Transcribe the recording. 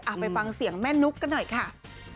ไปฟังเสียงแม่นุ๊กกันหน่อยค่ะ